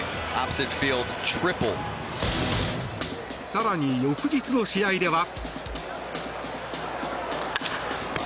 更に翌日の試合では。